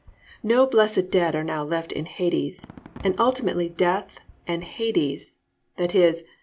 No blessed dead are now left in Hades, and ultimately "death" and "Hades," i.e.